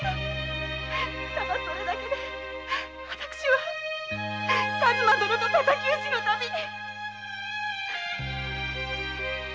ただそれだけで私は数馬殿と敵討ちの旅に。